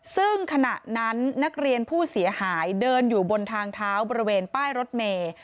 ซึ่งขณะนั้นนักเรียนผู้เสียหายเดินอยู่บนทางเท้าบริเวณป้ายรถเมย์